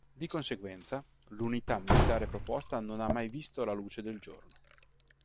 Di conseguenza, l'unità militare proposta non ha mai visto la luce del giorno.